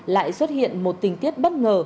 lại xuất hiện một tình tiết bất ngờ